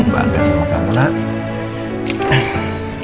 bangga sama kamu lah